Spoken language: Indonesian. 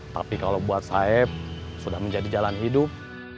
tapi kalau buat saib sudah menjadi jalan hidup